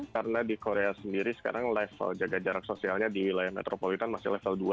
karena di korea sendiri sekarang level jaga jarak sosialnya di wilayah metropolitan masih level dua